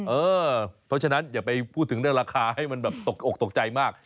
เพราะฉะนั้นอย่าไปพูดถึงเรื่องราคาให้มันแบบตกอกตกใจมาก